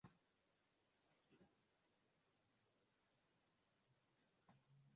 Ungekuja kwangu unywe maji.